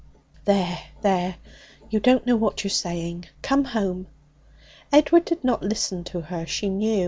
'There, there! you don't know what you're saying. Come home!' Edward did not listen to her, she knew.